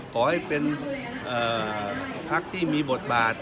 ขอให้เป็นพักที่มีบทบาท